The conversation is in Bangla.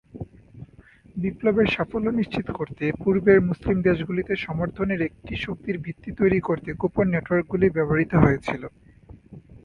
বিপ্লবের সাফল্য নিশ্চিত করতে পূর্বের মুসলিম দেশগুলিতে সমর্থনের একটি শক্তির ভিত্তি তৈরি করতে গোপন নেটওয়ার্কগুলি ব্যবহৃত হয়েছিল।